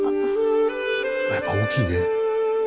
やっぱ大きいね。